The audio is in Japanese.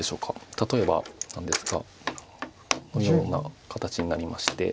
例えばなんですがこのような形になりまして。